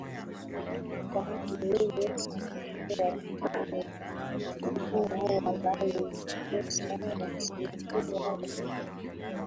Bahari yenye samaki watamu ni tunu wanayoikosa wasiokuwa Wapemba